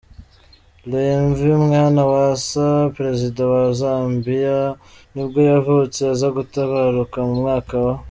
Levy Mwanawasa, perezida wa wa Zambiya nibwo yavutse aza gutabaruka mu mwaka w’.